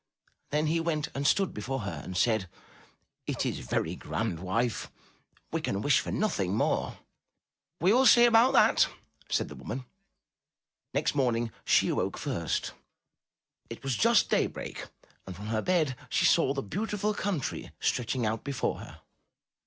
Then he went and stood before her and said: '*It is very grand, wife; we can wish for nothing more." '*We will see about that, said the woman. Next morning she awoke first. It was just daybreak and from her bed she saw the beautiful country stretching out before her.